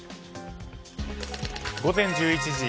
午前１１時。